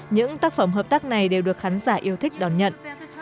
những tác phẩm hợp tác này đều được khán giả yêu thích đón nhận